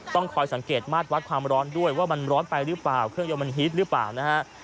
ต้องคอยสังเกตมาตรวัดความร้อนด้วยว่ามันร้อนไปหรือเปล่าเครื่องยนต์มันฮีตหรือเปล่านะฮะ